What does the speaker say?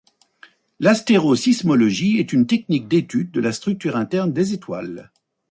L'astérosismologie est une technique d'étude de la structure interne des étoiles.